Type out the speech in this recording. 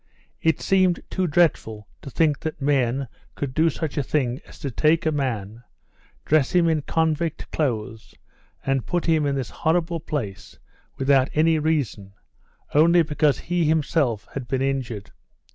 It seemed too dreadful to think that men could do such a thing as to take a man, dress him in convict clothes, and put him in this horrible place without any reason only because he himself had been injured.